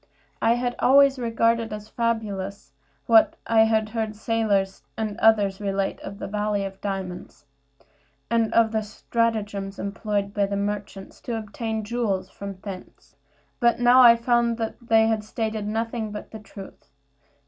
I had always regarded as fabulous what I had heard sailors and others relate of the valley of diamonds, and of the stratagems employed by merchants to obtain jewels from thence; but now I found that they had stated nothing but the truth.